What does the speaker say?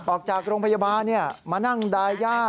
ออกจากโรงพยาบาลมานั่งดายย่า